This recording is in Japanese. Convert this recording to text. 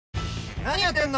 何やってんの！？